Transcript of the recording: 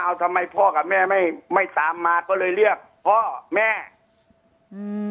เอาทำไมพ่อกับแม่ไม่ไม่ตามมาก็เลยเรียกพ่อแม่อืม